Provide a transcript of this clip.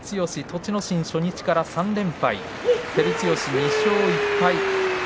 栃ノ心、初日から３連敗照強、２勝１敗。